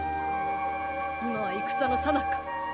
今は戦のさなか。